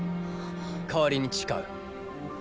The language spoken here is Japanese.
代わりに誓う。